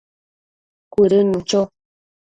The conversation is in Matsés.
Cuëdënnu cho